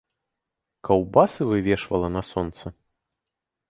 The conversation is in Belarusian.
Каўбасы вывешвала на сонца?